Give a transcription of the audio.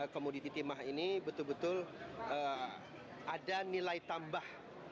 komoditi timah ini betul betul ada nilai tambah